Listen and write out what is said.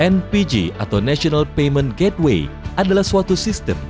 npg atau national payment gateway adalah suatu sistem